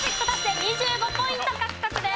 ２５ポイント獲得です！